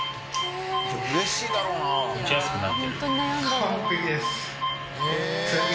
うれしいだろうな。